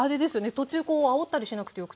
途中こうあおったりしなくてよくて。